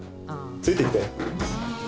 ついてきて。